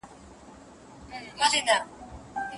د وسوسې په اړه د رسول الله حديث څه فرمايي؟